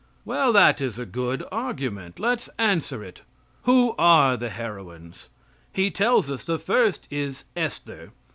Well, that is a good argument. Let's answer it. Who are the heroines? He tells us. The first is Esther.